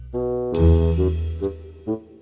kalau anak anak gak ada yang jawab salam saya